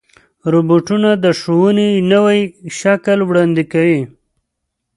روبوټونه د ښوونې نوی شکل وړاندې کوي.